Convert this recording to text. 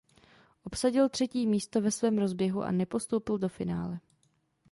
Obsadil třetí místo ve svém rozběhu a nepostoupil do finále.